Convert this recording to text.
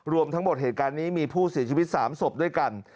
รวมทั้งหมดเหตุการณ์นี้มีผู้เสียชีวิต๓ศพด้วยกัน